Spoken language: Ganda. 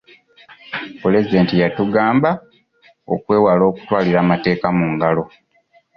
Pulezidenti yatugamba okwewala okutwalira amateeka mu ngalo.